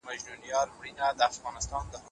شاعرانو د زعفرانو په اړه شعرونه ویلي.